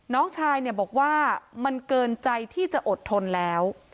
น้องชายเนี่ยบอกว่ามันเกินใจที่จะอดทนแล้ว